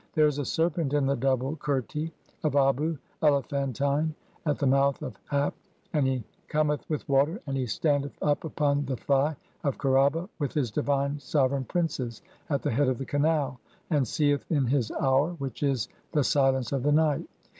"There is a serpent in the double qerti of Abu (Elephantine) "at the mouth of (5) Hap, and he cometh with water and he "standeth up upon the Thigh of Kher aba with his divine sove reign princes (6) at the head of the canal, and seeth in his hour, "which is the silence of the night.